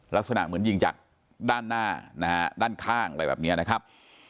ลักษณะเหมือนยิงจากด้านหน้านะฮะด้านข้างอะไรแบบนี้นะครับ